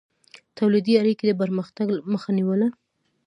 تولیدي اړیکې د پرمختګ مخه نیوله.